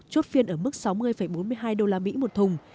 chốt phiên ở mức sáu mươi bốn mươi hai usd một thùng